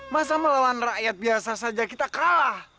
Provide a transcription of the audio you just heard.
masa melawan rakyat biasa saja kita kalah